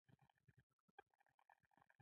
الوتکه د وزرونو قوت ښيي.